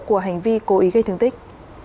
của hành vi cố ý gây thương tích